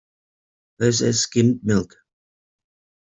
This is skimmed milk.